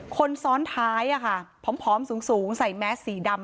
คนซ้อนท้ายพร้อมสูงใส่แม็กซ์สีดำ